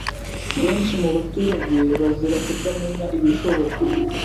benshi mubaturage bazira Kutamenya ibishoboka